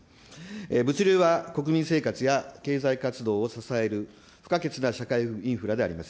物流は国民生活や経済活動を支える、不可欠な社会インフラであります。